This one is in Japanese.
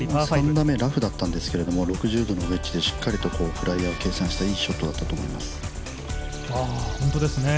３打目、ラフだったんですけど６０度のウェッジでしっかりフライヤーを計算したいいショットだったと思います。